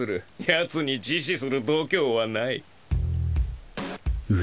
ヤツに自死する度胸はない。